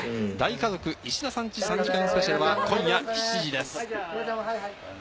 『大家族石田さんチ』３時間ＳＰは今夜７時です。